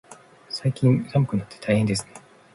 最近、寒くなってきて大変ですね。